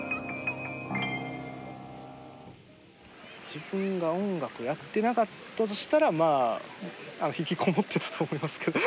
自分が音楽をやってなかったとしたらまあ引きこもってたと思いますけど。